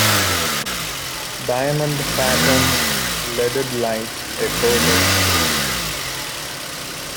Diamond pattern leaded lights echo the tiling.